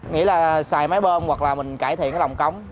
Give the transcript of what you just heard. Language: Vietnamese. nghĩ là xài máy bơm hoặc là mình cải thiện cái lòng cống